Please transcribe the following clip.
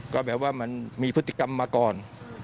ก็แบบว่ามันมีพฤติกรรมมาก่อน